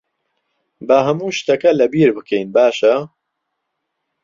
با هەموو شتەکە لەبیر بکەین، باشە؟